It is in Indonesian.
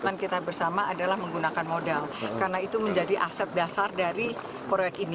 komitmen kita bersama adalah menggunakan modal karena itu menjadi aset dasar dari proyek ini